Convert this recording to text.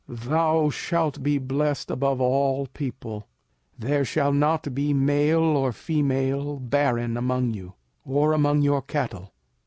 05:007:014 Thou shalt be blessed above all people: there shall not be male or female barren among you, or among your cattle.